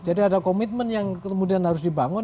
jadi ada komitmen yang kemudian harus dibangun